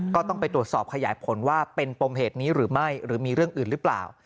ก็ต้องไปตรวจสอบขยายผลว่าเป็นปมเหตุนี้หรือไม่หรือมีเรื่องอื่นหรือเปล่า